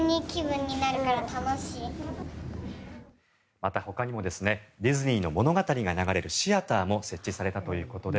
また、ほかにもディズニーの物語が流れるシアターも設置されたということで